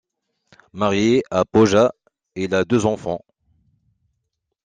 Marié à Pooja, il a deux enfants.